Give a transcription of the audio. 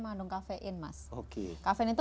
mandung kafein mas kafein itu